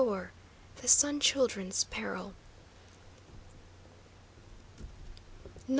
THE SUN CHILDREN'S PERIL.